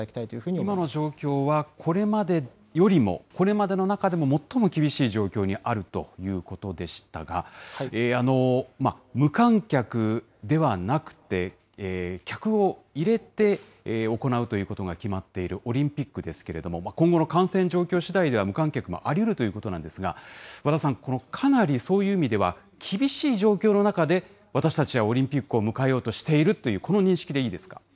今の状況は、これまでよりも、これまでの中でも最も厳しい状況にあるということでしたが、無観客ではなくて、客を入れて行うということが決まっているオリンピックですけれども、今後の感染状況しだいでは、無観客もありうるということなんですが、和田さん、かなりそういう意味では、厳しい状況の中で私たちはオリンピックを迎えようとしているという、この認識でいいですか。